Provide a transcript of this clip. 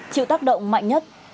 chịu tác động mạnh nhất